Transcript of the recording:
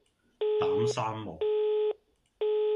膽生毛